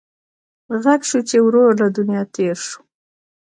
غږ شو چې ورور له دنیا تېر شو.